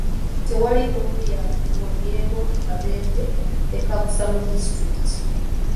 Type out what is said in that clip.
Tewali n'omu yawonyeewo mu kabenje ddekabusa mu disitulikiti.